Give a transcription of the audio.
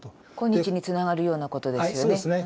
今日につながるようなことですよね。